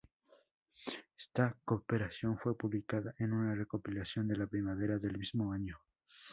Esta cooperación fue publicada en una recopilación en la primavera del mismo año.